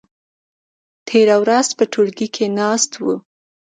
تېره ورځ په ټولګي کې ناست وو.